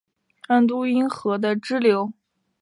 安都因河的支流由北至南分别有格拉顿河。